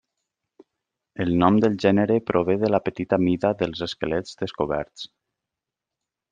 El nom del gènere prové de la petita mida dels esquelets descoberts.